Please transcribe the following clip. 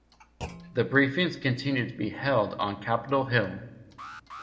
The briefings continue to be held on Capitol Hill.